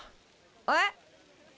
えっ？